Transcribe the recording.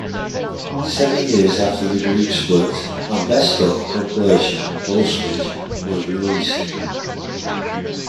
Seven years after the group split a 'Best Of' compilation, "Postage", was released.